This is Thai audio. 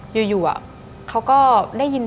ดิงกระพวน